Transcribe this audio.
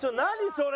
それ。